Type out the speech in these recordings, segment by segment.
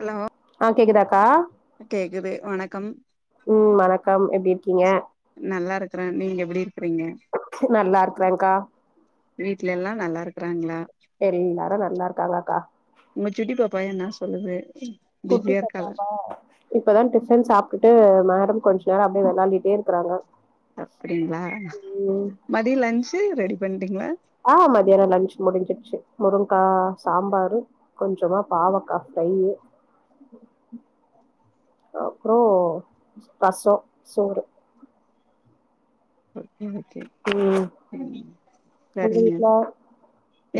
Hello ஆ கேக்குதா கா கேக்குது வணக்கம் ம் வணக்கம் எப்டி இருக்கீங்க நல்லாருக் க்ற நீங்க எப்டி இருக்கிறீங்க நல்லா இருக்றன்கா வீட்லேல்லா நல்லா இருக்றாங்ளா எல்லாரு நல்லா இருகாங்க கா உங்க சுட்டி பாப்பா என்னா சொல்லுது குட்டி பிஸியா பாப்பா இருக்காளா பா இப்பதா டிபன் சாப்டுட்டு மேடம் கொஞ் நேரொ அப்டியே விளாண்டிட்டே இருக்றாங்க அப்டிங்களா மதிய லன்ச் ரெடிப் ஆ மதியானோ லஞ்சு முடிஞ்சிருச்சு முருங்க்கா சாம்பாரு கொஞ்சமா பாவக்கா ப்ரையு அப்ரோ ரசோ சோறு ம் [unintelligible] உங்க சரிங்க வீட்ல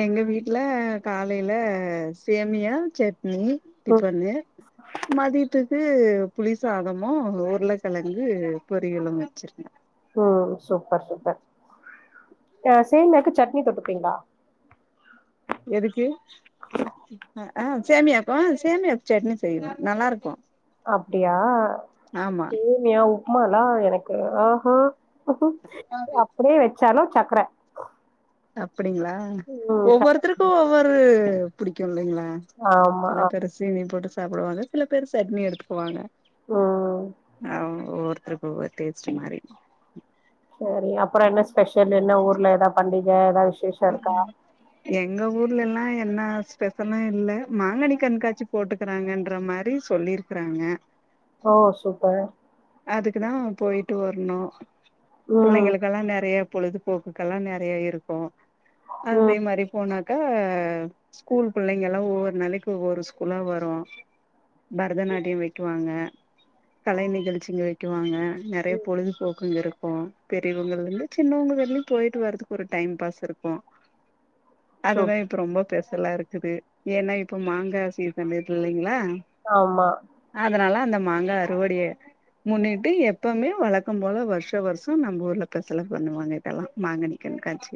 எங்க வீட்ல காலைல சேமியா செட் னி ம் டிஃபனு மதியத்து கு புளி சாதமு உருள கழங்கு பொரியளு வச்சிருக்கே ம் சூப்பர் சூப்பர் அ சேமியாக்கு சட்னி தொட்டுப்பீங்ளா எதுக்கு அ ஆ சேமியாக்கு ஆ சேமியாக் சட்னி செய்வே நல்லாருக்கு அப்டியா சேமியா உப் ப்மாலா எனக்கு ஆ ஹா அப்டியே வச் ச்சலோ சக்ர அப்டிங்ளா ஒவ்வொருத்தருக்கு ஒவ்வொரு புடிக்கு இல்லைங்ளா அ ஆமா. சில அ பெரு [unintelligible] போடுச் சாப்பிடுவாங்க சில பேர் சட்னி எடுத்துக்குவாங்க ம். ஆ ஆ ருபூவ டேஸ்ட் மாறிரு சரி அப்புறோ என்ன ஸ்பெஷல் என்ன ஊர்ல எதா பண்டிக எதா எங்க ஊர் லலா என்ன ஸ்பெஷலு இல்ல மாங்கனி கண்காட்சி போட்டுக்குறாங்கன்ற மாரி சொல்லிருக்றாங்க ஓ சூப்பர் அதுக்குதா போயிட்டு வர்ணு ம். பிள்ளைங்களுக்கெல்லா நெறைய பொழுதுபோக்குக்கெல்லா நெறைய இருக்கு அதே ம். மாரி போன க்கு ஸ்கூல் பிள்ளைங்க எல்லா ஒவ்வொரு நாளைக்கு ஒவ்வொரு ஸ்கூலா வரு பரதநாட்டியோ வெக்குவாங்க கலை நிகழ் ச்சிங்க வெக்குவாங்க நெறைய ம். பொழுதுபோக்குங்க இருக் க்கு பெரியவங்கலந்து சின்னவங்க வரைலு போயிட்டு வர்றதுக்கு ஒரு டைம் பாஸ் இருக்கு சூப் அதுதா இப்ப ரொம்ப ஸ்பெஷலா இருக்குது ஏன்னா இப்போ மாங்கா சீசன் இல்லைங்களா ஆமா அதனால அந்த மாங்கா அறுவடைய முன்னாடி எப்பவுமே வழக்கம் போல வருஷோ வருஷோ நம்ம ஊர்ல ஸ்பெஷல்லா பண்ணுவாங்க இதெல்லா மாங்கனிக் கண்காட்சி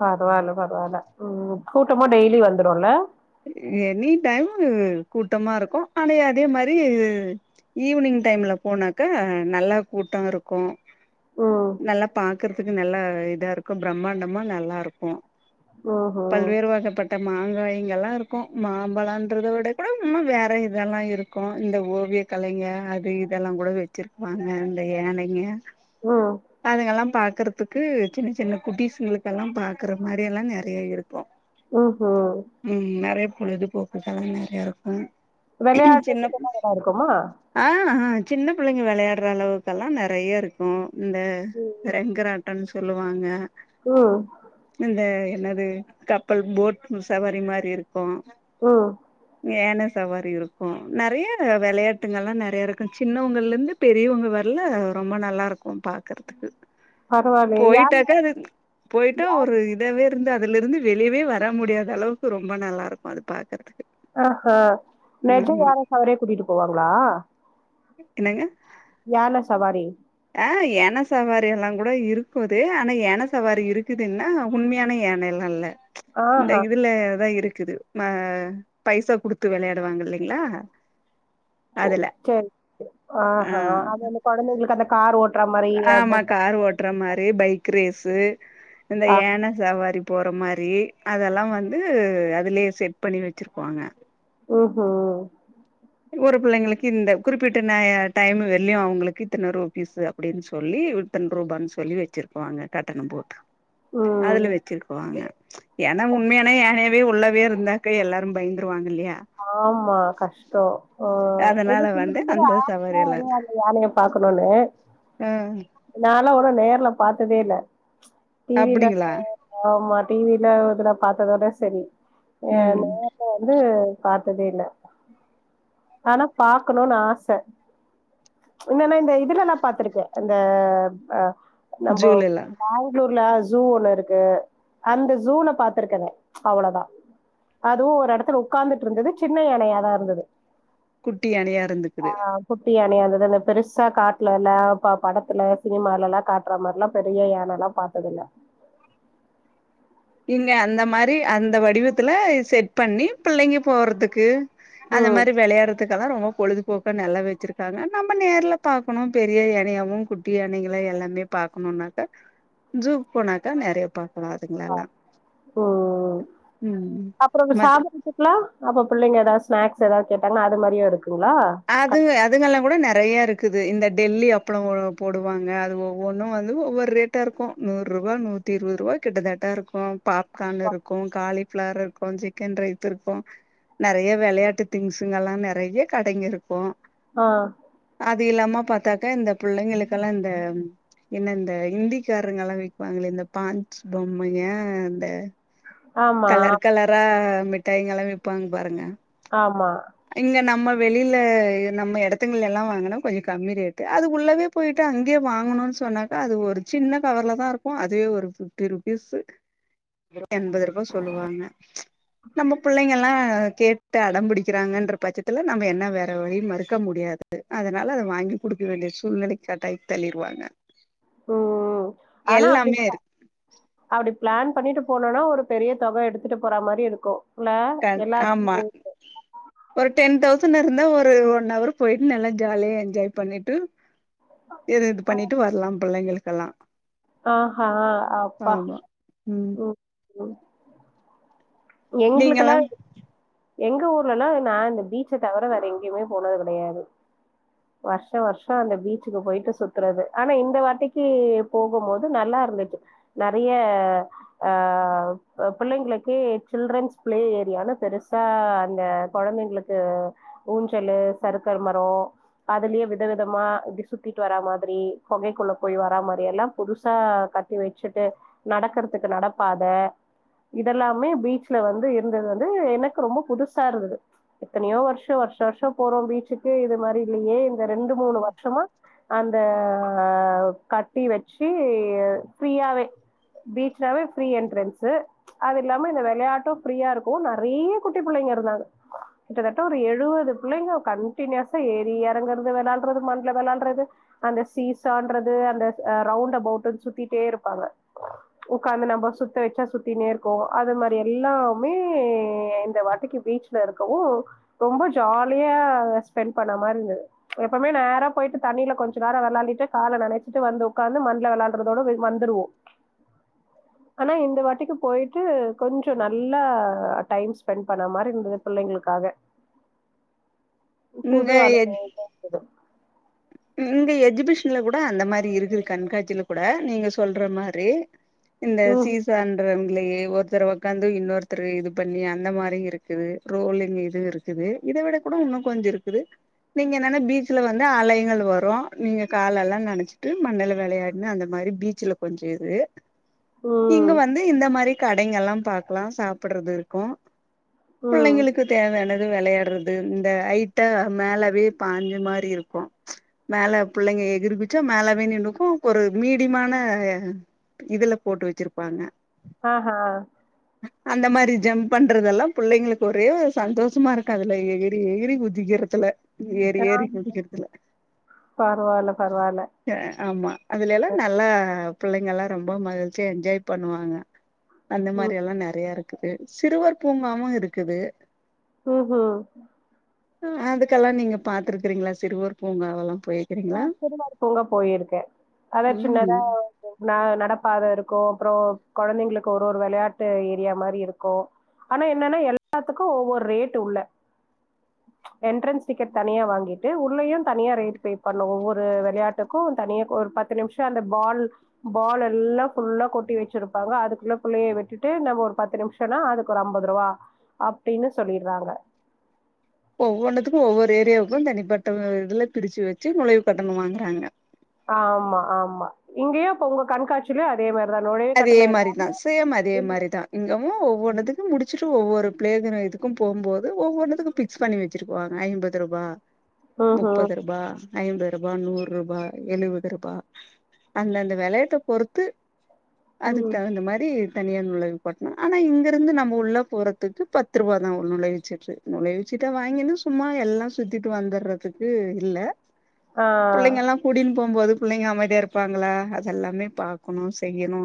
பரவால்ல பரவால்ல ம் கூட்டமா டெய்லி வந்துருல எனி டைம் கூட்டம இருக்கு ஆனே அதே மாரி இது ஈவினிங் டைம்ல போனாக்கா நல்லா கூட்டோ இருக்கு ம். நல்லா பாக்குற் துக்கு நல்லா இதா இருக்கு பிரம்மாண்டமா நல்லா இருக்கு ம்ஹ்ம். பல்வேறு வகப்பட் ட மாங்காய் கள்லா இருக்கு மாம்பழன்றத விடக இன்னு வேற இதெல்லா இருக்கு இந்த ஓவிய கலைங்க அது இதெல்லா கூட வெச்சிற்பாங்க இந்த ஏழனைய ம். அதுங்கெல்லா பா க்கரத்துக்கு சின்ன சின்ன குட்டிஸ்ங்களுக்கெல்லா பாக்கற மாறி எல்லா நெறைய இருக் ம்ஹு பொழுது போக்குகள்லா நெறைய இருக்கு வெளையாடு சின்ன [inaudible] இருக்குமா ஆ ஆ சின்ன பிள்ளைங்க வெளையாடுற அளவுக்கெல்லா நெறைய இருக்கு இந்த ம். ரங்க ராட்டன்ச் சொல்லுவாங்க ம். இந்த என்னது கப்பல் போட் சவாரி மாறி இருக் போ ம். ஏனஸ் சவாரி இருக்கு நெறைய விளையாட்டுங்கள்ளா நெறைய இருக்கு சின்னவங்கல இருந்து பெரியவங்க வர்ல ரொம்ப நல்லா இருக் ஒம் பாக்கறதுக்கு பரவாயில்லயே! யார் போயிட்டாக்கா அது போயிட்டா ஒரு இதவே கிந்து அதுல இருந்து வெளியவே வர முடியாத அளவுக்கு ரொம்ப நல்லாருக்கு அது பார் ஆஹா நெஜோ ஆமா யார சவரே கூட்டிட்டு போவாங்களா என்னங்க யான சவாரி அ யான சவாரி எல்லா கூட இருக்குதே ஆனா யான சவாரி இருக்குதுன்னா உண்மையான யான எல்லா இல்ல இந்த ஆஹா. இதுல அதா இருக் க்குது ம பைசா குடுத்து விளையாடுவாங்க இல்லைங்களா ஓ அதுல சேரி ஆ ஆஹா அது வந்து கொழந்தைகளுக்கு அந்தக் கார் ஒட் ஆமா கார் ஓட்ற மாறி பைக் ரேஸ்ஸூ இந்த ஆ யான சவாரிப் போற மாறி அதெல்லா வந்து அதுலயே செட் பண்ணி வச்சிருப்பாங்க ஊகு ஒரு பிள்ளைங்களுக்கு இந்த குறிப்பிட்ட ந ய டைம் வெள்ளயு அவங்களுக்கு இத்தன ரூபீஸ்ஸூ அப்டின்னு சொல்லி உட்டன் ரூபான்னு சொல்லி வச்சிர்ப்பாக கட்டணம் போட்டு ம் அதுல வச்சிர்பாங்க ஏனா உண்மையான யான வே உள்ளவே இருந்தாக்க எல்லாரும் பயந்துருவாங்க இல்லையா ஆமா கஷ்ட்டோ ஓ இன்னு அதனால சில வந்து பேரு அந்த சவாரி ஆர்வமா எல்லா வருவாங்க யானய பாக்கணும்னு ஆ நா இல்ல அவ்ளோ நேர்ல பாத்ததேல்ல டி வில அப்டிங்களா ஆமா ஆமா டி வில இதுலப் பாத்ததோட செரி ஏ ம் நேர்ல வந்து பாத்ததேல்ல ஆனா பாக்கணுன்னு ஆச என்னன்னா இந்த இதுலல்லா பாத்திருக்கே இந்த அ நம்பொ ஜூலெல்லா பேங்ளூர்ல ஜூ ஒன்னு இருக்கு அந்த ஜூல பாத்திருக்கறே நா அவ்ளோதா அதுவு ஒரு எடத்துல உக்காந்துட் ருந்தது சின்ன யானையா தா இருந்துது குட்டி யானையா இருந்துக்குது னையாந்துது அந்த பெருசா காட்லல்லா ப படத்துல சினிமாலல்லாம் காட்டுற மாரில்லாம் பெரிய யானல்லாம் பாத்ததுல்ல இங்க அந்த மாரி அந்த வடிவத்துல செட் பண்ணி பிள்ளைங்க போர்ருதுக்கு அந்த ம் மாரி வெளையாடுறதுக்கெல்லாம் ரொம்பப் பொழுதுபோக்கா நல்லா வெச்சிருக்காங்க நம்ம நேர்ல பாக்கணும் பெரிய யானையாவும் குட்டி யானைங்கள எல்லாமே பாக்கணும்னாக்க ஜூக்கு போனாக்க நெறையா பாக் கலா அதுங்ளெல்லாம் ம் அப்புறவு மத் சாபுட்றதுக்கலாம் அப்பப் பிள்ளைங்கெதாது ஸ்னாக்ஸ் எதாது கேட்டாங்க அது மெரியும் இருக்கு அது அதுங்கல்லாம் கூட நெறைய இருக்கு இக்குது இந்த டெல்லி அப்புளம் போடுவாங்க அது ஒவ்வொன்னும் வந்து ஒவ்வொர் ரேட்டாருக்கும் நூறு ரூபா நூத்தி இருவது ரூபா கிட்டத்தட்டா ருக்கும் பாப்கார்ன் இருக்கும் காலிஃபிளார் இருக்கும் சிக்கன் ரைஸ் இருக்கும் நெறைய வெளையாட்டு திங்ஸுங்கல்லாம் நெறைய கடைங்கருக் கும் ஆ அது இல்லாம பாத்தாக்க இந்த புள்ளைங்களுக்கெல்லாம் இந்த என்ன இந்த இந்திக்கார்ருங்கல்லாம் விக்குவாங்களே இந்த பாஞ்ச் பொம்மைங்க இந்த ஆமா கலர் கலரா மிட்டாய்ங்கல்லாம் விப்பாங்க் பாருங்க ஆமா இங்க நம்ம வெளியில நம்ம எடத்துங்கல்லயெல்லாம் வாங்கனா கொஞ்சம் கம்மி ரேட்டு அது உள்ளவே போயிட்டு அங்கயே வாங்குனோன் சொன்னாக்கா அது ஒரு சின்ன கவர்லதான் ருக்கும் அதுவே ஒரு பிஃப்டி ருபீஸ் எண்பது ரூபா சொல்லுவாங்க நம்ம புள்ளைங்கல்லாம் கேட்டு அடம்புடிக் கிறாங்கன்ற பச்சத்துல நம்ம என்ன வேற வழி மறுக்க முடியாது அதனால அத வாங்கி குடுக்க வேண்டிய சூழ்நிலைக் கட்டாயம் தள்ளிருவாங்க ம் ஆனா எல்லாமே அப்டிப் பா இருக்கு அப்டிப் பிளான் பண்ணிட்டு போனோனா ஒரு பெரிய தொக எடுத்துட்டு போறா மாரி யிருக்கும் கண் ஆமா ஒரு டென் தௌச சன் இருந்தா ஒரு ஒன் அவர் போயிட்டு நல்லா ஜாலியா என்ஜாய் பண்ணிட்டு இதுது பண்ணிட்டு வரலாம் பிள்ளைங்களுக் கலா ஆ ஹா அப்பா ம் ம் நீங்கல்லா எங்களுக்கெல்லா எங்க ஊர்லெல்லா நா இந்த பீச்ச தவிர வேற எங்கேயுமே போனது கிடையாது வருஷ வருஷ அந்த பீச்சுக்கு போயிட்டு சுத்தறது ஆனா இந்த வாட்டிக்கு போகும்போது நல்லா இருந்துச்சு நெறைய ஆ பிள்ளைங்களுக்கே சில்ட்ரன்ஸ் பிளே ஏரியான்னு பெருசா அந்த கொழந்தைங்களுக்கு ஊஞ்சலு சருக்கல் மர அதுலேயே விதவிதமா இப்டி சுத்திட்டு வரா மாதிரி கொகைக்குள்ள போய் வரா மாரி எல்லாம் புதுசா கட்டி வச்சுட்டு நடக்கறதுக்கு நடப்பாத இதெல்லாமே பீச் ல வந்து இருந்தது வந்து எனக்கு ரொம்ப புதுசா இருந்தது எத்தனையோ வருஷ வர்ஷ வர்ஷ போறோ பீச்சுக்கு இது மாரி இல்லையே இந்த ரெண்டு மூணு வர்ஷமா அந்த கட்டி வச்சீ ஃப்ரியாவே பீச்லவ ஃப்ரி என்ட்ரன்ஸு அது இல்லாம இந்த விளையாட் டு ஃப்ரியா இருக்கு நெறைய குட்டி புள்ளைங்க இருந்தாங்க கிட்டத்தட்ட ஒரு எழுவது பிள்ளைங்க கன்டினியசா ஏறி இறங்கறது வெளான்றது மண்ல வெளான்றது அந்த சீசான்றது அந்த அ ரவுண்டபோட்ன்னு சுத்திட்டே இருப்பாங்க உக்காந்து நம்ப சுத்த வச்சா சுத்தினே இருக்கு அது மாரி எல்லாமே இந்த வாட்டிக்கு பீச்சல இருக்கவு ரொம்ப ஜாலியா ஸ்பெண்ட் பண்ண மாரி இருந்தது எப்பமே நேரா போய்ட்டு தண்ணியில கொஞ்ச நேர வெளாண்டிட்டு கால நனச்சிட்டு வந்து உக்காந்து மண்ல விளாண்ட்றதோட வீ வந்துருவோ ஆனா இந்த வாட்டிக்கு போய்ட்டு கொஞ்சொ நல்லா டைம் ஸ்பெண்ட் பண்ண மாரி இருந்தது பிள்ளைங்களுக்காக புது இங்க எஜ் அனுபவம் தா இருந்தது இங்க எஜ்ஜீபிஷன்ல கூட அந்த மாரி இருக்குது கண்காட்சியில கூட நீங்க சொல்ற மாரி இந்த ம் சீசான்ற இல்லையே ஒருத்தர் உக்காந்து இன்னொருத்தரு இது பண்ணி அந்த மாரி இருக்குது ரோலிங் இது இருக்குது இத விட கூட இன்னும் கொஞ்ச இருக்குது நீங்க என்னன்னா பீச்சுல வந்து அலைகள வரு நீங்க காலெல்லா நனைச்சிட்டு மண்ணல விளையாட்ன்னா அந்த மாரி பீச்சுல கொஞ்ச இரு இங்க ம் வந்து இந்த மாரி கடைங்கெல்லா பாக்கலா சாப்புட்றது இருக்கூ ம் பிள்ளைங்களுக்கு தேவையான விளையாடுறது இந்த ஐட்டா மேலவே பாஞ்ச மாரி இருக்கூ மேல புள்ளைங்க எகிரிகுதுச்சா மேலவே நின்னுக்கு ஒரு மீடியமான இதுல போட்டு வச்சிருப்பாங்க ஆ ஹா அந்த மாரி ஜம்ப் பண்றதெல்லா புள்ளைங்களுக்கு ஒரே ஒரு சந்தோஷமா இருக்காதுல்ல எகிறி எகிறி குதிக்கிறதுல ஏறி ஆ ஏறி குதிக்கிறதுல பரவால்ல பரவால்ல ஏ ஆமா அதுலேல்லா நல்லா ஆ புள்ளைங்கெல்லா ரொம்ப மகிழ்ச்சியா என்ஜாய் பண்ணுவாங்க அந்த மாரி ம் எல்லா நெறையா இருக் க்கு சிறுவர் பூங்காவு இருக்குது ம் ஹும் ம் அதுக்கெல்லா நீங்க பாத்துருக்குறீங்களா சிறுவர் பூங்காவெல்லா ஆ போயிருக்கிறீங்களா சிறுவர் பூங்கா போயிருக்கே அத ம் சின்னதா நா நடப்பாத இருக்கூ அப்பறோ கொழந்தைங்களுக்கு ஒரு ஒரு வெளையாட்டு ஏரியா மாரி இருக்கூ ஆனா என்னன்னா எல்லாத்துக்கு ஒவ்வொர் ரேட்டு உள்ள எண்ட்ரன்ஸ் டிக்கெட் தனியா வாங்கீட்டு உள்ளயுந் தனியா ரேட்டு பே பண்ணு ஒவ்வொரு வெளையாட்டுக்கு தனியா ஒரு பத்து நிமிஷ அந்த ஃபால் ஃபால் எல்லா ஃபுல்லா கொட்டி வச்சுருப்பாங்க அதுக்குள்ள புள்ளைய விட்டுட்டு நம்ம ஒரு பத்து நிமிஷோன்னா அதுக்கு ஒரு அம்பது ரூவா அப்டின்னு சொல்லிட்றாங்க ஒவ்வொன்னுத்துக்கு ஒவ்வொரு ஏரியாவுக்கு தனிப்பட்ட இதுல பிரிச்சி வச்சி நுழைவு கட்டண வாங்குறாங்க ஆமா ஆமா இங்கேயு அப்ப உங்க கண்காட்சிலேயு அதே மாரி அதே மாரிதா சேம் அதே மாரிதா இங்கமு ஒவ்வொன்னுதுக்கு முடிச்சுர் ட்டு ஒவ்வொரு பிளேதின இதுக்கும் போகும்போது ஒவ்வொன்னுதுக்கு ஃபிக்ஸ் பண்ணி வச்சிருக்குவாங்க ஐம்பது ரூபா ம் முப்பது ரூபா ஐம்பரூபா நூறுரூபா எழுவது ரூபா அந்தந்த வெலையத்த பொறுத்து அதுக்கு ம் தகுந்த மாரி தனியா நுழைவு போட்டனு ஆனா இங்க இருந்து நம்ம உள்ள போறதுக்கு பத்து ரூபாதா ஒரு நுழைவுச்சீட்டு நுழைவுசீட்ட வாங்கினு சும்மா எல்லா சுத்திட்டு வந்துடுறதுக்கு இல்ல ஆ ஆ புள்ளைங்க எல்லா கூட்டின்னு போம்போது புள்ளைங்க அமைதியா இருப்பாங்களா அத்தெல்லாமே பா்கக்கணு செய்யணு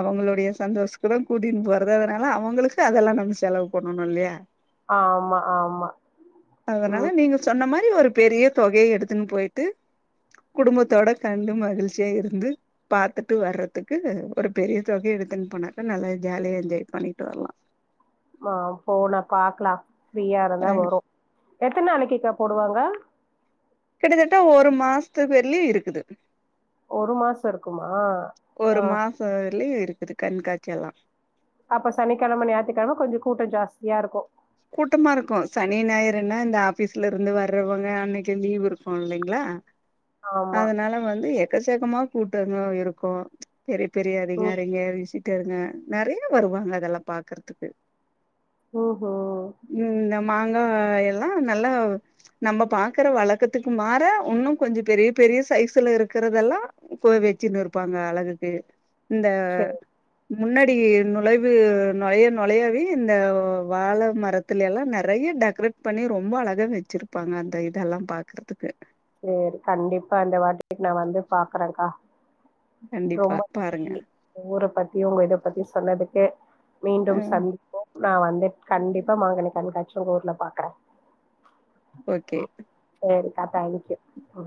அவுங்களுடைய சந்தோஷத்துக் தா கூட்டின்னு போறது அதனால அவூங்களுக்கு அதெல்லா நம்ம செலவு பண்ணணு இல்லையா ஆமா ஆமா ம் தின் ஒரு பெரிய தொகைய எடுத்துன்னு போயிட்டு குடும்பத்தோட கண்டு மகிழ்ச்சியா இருந்து பாத்துட் விட்டு வர்றதுக்கு ஒரு பெரிய தொகைய எடுத்துன்னு போனாக்க நல்லா ஜாலியா என்ஜாய் பண்ணிட்டு வரலா ஆ போன பாக்கலா ப்ரீயா இருந்த அ வரு எத்துன நாளைக்கி அக்கா போடுவாங்க கிட்டத்தட்ட ஒரு மாசத்து பெள்ளி இருக்குது ஒரு மாச இருக்குமா அ ஒரு மாசோ வரலயு இருக்குது கண்காட்சி எல்லா அப்ப சனிக்கெழம ஞாயித்துக்கெழம கொஞ்சோ கூட்டோ ஜாஸ்தியா இருக்கூ கூட்டமா இருக்கு சனி ஞாயிறுனா இந்த ஆபீஸ்ல இருந்து வர்றவங்க அன்னைக்கி லீவ் இருக்கு இல்லைங்ளா ஆமா அதனால வந்து எ எக்கச்சக்கமா கூட்டெல்லா இருக்கு பெரிய பெரிய ம் அதிகாரிங்க விசிட் டருங்க நெறைய வருவாங்க அதெல்லா பாக்கறதுக்கு ஓ ம் நம் மாங்கா எல்லா நல்லா நம்ம பாக்கற வழக்கத்துக்கு மாறா இன்னு கொஞ்ச பெரிய பெரிய சைஸ்ல இருக்கிறதெல்லா வெச்சுனு இருப்பாங்க அழகுக்கு இந்த சேரி முன்னாடி நுழைவு நொழைய நொழையவே இந்த வாழ மரத்துல எல்லா நெறைய டெக்ரேட் பண்ணி ரொம்ப அழகா வெச்சிருப்பாங்க அந்த இதெல்லா பாக்குறதுக்கு சேரி கண்டிப்பா இந்த வாட்டி நா வந்து பாக்கறங்க்கா ரொம்ப கண்டிப்பா பாருங்க நன்றி ஊர பத்தி யு உங்க இத பத்தியு சொன்னதுக்கு ஆ மீண்டும் சந்திப்போம் நா வந்து கண்டிப்பா மாங்கனி கண்காட்சிய உங்க ஊர்ல பாக்கற ஓகே [unintelligible] அ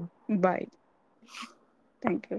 தேங்க் யூ